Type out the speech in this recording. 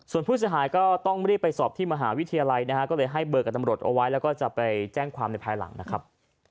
ส่วนผู้เสียหายก็ต้องรีบไปสอบที่มหาวิทยาลัยนะฮะก็เลยให้เบอร์กับตำรวจเอาไว้แล้วก็จะไปแจ้งความในภายหลังนะครับ